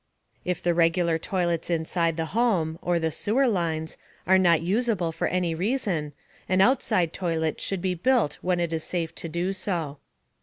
If the regular toilets inside the home or the sewer lines are not usable for any reason, an outside toilet should be built when it is safe to do so.